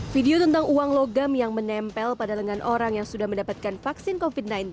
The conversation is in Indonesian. video tentang uang logam yang menempel pada lengan orang yang sudah mendapatkan vaksin covid sembilan belas